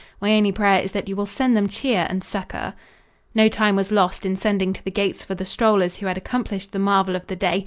My only prayer is that you will send them cheer and succor." No time was lost in sending to the gates for the strollers who had accomplished the marvel of the day.